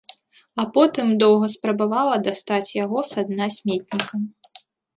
А потым доўга спрабавала дастаць яго са дна сметніка.